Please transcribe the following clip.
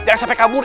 jangan sampai kabur